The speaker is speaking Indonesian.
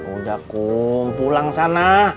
udah kum pulang sana